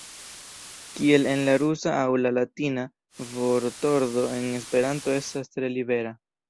Kiel en la rusa aŭ la latina, vortordo en Esperanto estas tre libera.